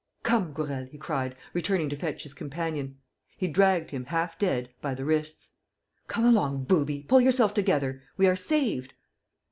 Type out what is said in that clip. "Come, Gourel," he cried, returning to fetch his companion. He dragged him, half dead, by the wrists: "Come along, booby, pull yourself together! We are saved."